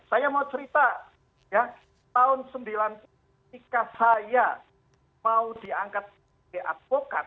saya mau cerita ya tahun seribu sembilan ratus sembilan puluh tiga saya mau diangkat sebagai advokat